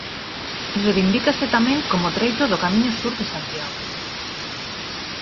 Reivindícase tamén como treito do Camiño Sur de Santiago.